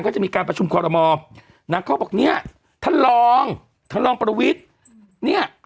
ก็จะมีการประชุมคอรมอนางเขาบอกเนี่ยท่านรองท่านรองประวิทย์เนี่ย